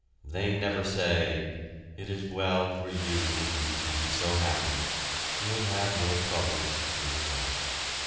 They never say; "It is well for you that you can be so happy you'll have your troubles soon enough.